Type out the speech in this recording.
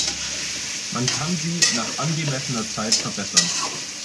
Man kann sie nach angemessener Zeit verbessern.